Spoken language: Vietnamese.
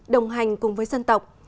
đồng hành cùng với dân tộc